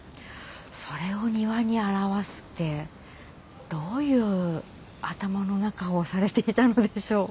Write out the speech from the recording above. それを庭に表すってどういう頭の中をされていたのでしょう？